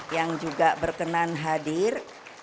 yang juga berkenan hadir